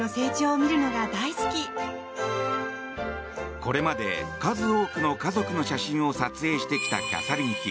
これまで数多くの家族の写真を撮影してきたキャサリン妃。